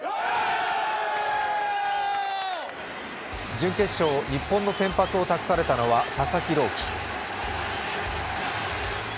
準決勝、日本の先発を託されたのは佐々木朗希。